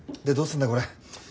でどうすんだよこれ。